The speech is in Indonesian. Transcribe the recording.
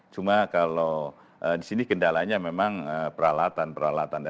cuma kalau di sini kendalanya memang peralatan peralatan